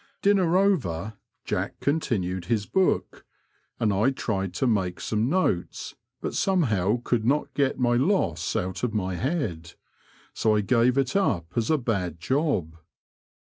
Dinner over, Jack con tinued his book, and I tried to make some notes, but somehow could not get my loss out of my head ; so I gave it up as a bad job.